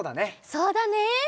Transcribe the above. そうだね。